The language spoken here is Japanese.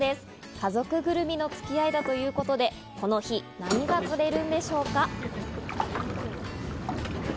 家族ぐるみの付き合いだということで、この日、何が釣れるんでしょうか？